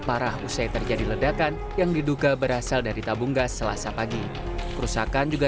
parah usai terjadi ledakan yang diduga berasal dari tabung gas selasa pagi kerusakan juga